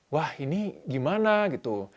wah ini gimana gitu